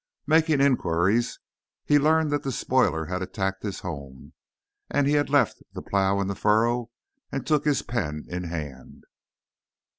Making inquiries, he learned that the spoiler had attacked his home, and he left the plough in the furrow and took his pen in hand.